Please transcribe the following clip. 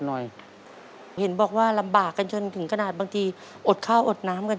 อเรนนี่ต้องมีวัคซีนตัวหนึ่งเพื่อที่จะช่วยดูแลพวกม้ามและก็ระบบในร่างกาย